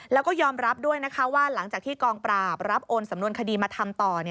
แล้วก็ยอมรับด้วยนะคะว่าหลังจากที่กองปราบรับโอนสำนวนคดีมาทำต่อ